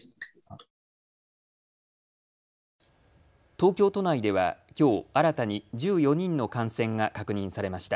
東京都内では、きょう新たに１４人の感染が確認されました。